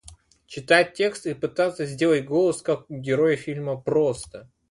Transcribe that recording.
Читать текст и пытаться сделать голос как у героя фильма, просто.